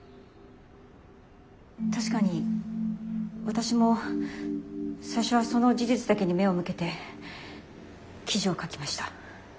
確かに私も最初はその事実だけに目を向けて記事を書きました。